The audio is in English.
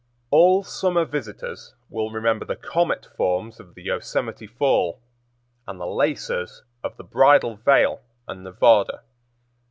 All summer visitors will remember the comet forms of the Yosemite Fall and the laces of the Bridal Veil and Nevada.